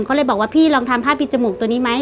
เขาเลยบอกว่าพี่ลองทำผ้าปิดจมูกตัวนี้ไหม